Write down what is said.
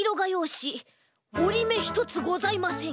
しおりめひとつございません。